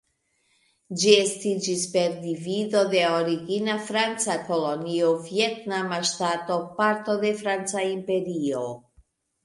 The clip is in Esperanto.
Ĝi estiĝis per divido de origina franca kolonio Vjetnama ŝtato, parto de franca imperio.